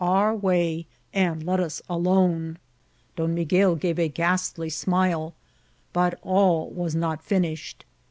our way and let us alone. Don Miguel gave a ghastly smile ; but all was not finished.